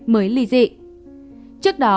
mới ly dị trước đó